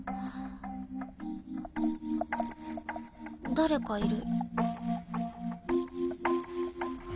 誰かいる。